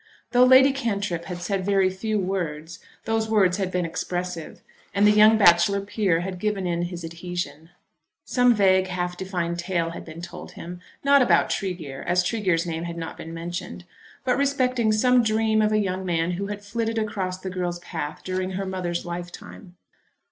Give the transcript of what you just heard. Though Lady Cantrip had said very few words, those words had been expressive; and the young bachelor peer had given in his adhesion. Some vague half defined tale had been told him, not about Tregear, as Tregear's name had not been mentioned, but respecting some dream of a young man who had flitted across the girl's path during her mother's lifetime.